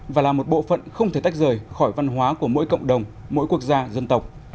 và là một bộ phận không thể tách rời khỏi văn hóa của mỗi cộng đồng mỗi quốc gia dân tộc